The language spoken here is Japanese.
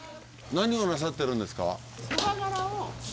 何をなさってるんですか？